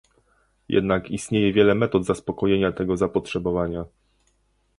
Jednak istnieje wiele metod zaspokojenia tego zapotrzebowania